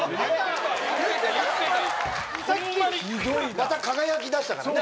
また輝きだしたからな。